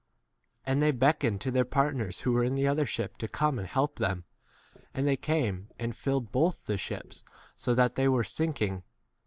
And they beckoned to their partners who were in the other ship to come and help them, and they came, and filled both the ships so that they were sink 8 ing.